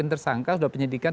sudah tersangka sudah penyidikan